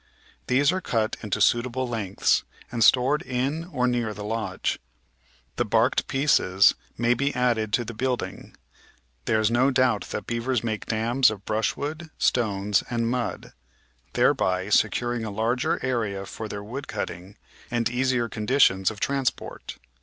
These are cut into suitable lengths and stored in or near the lodge. The barked pieces may be added to the building. There is no doubt that beavers make dams of brushwood, stones, and mud, thereby securing a larger area for their wood cutting and easier conditions of transport.